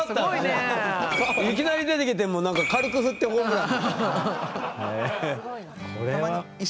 いきなり出てきて軽く振ってホームラン。